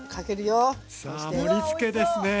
さあ盛りつけですね！